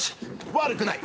悪くない！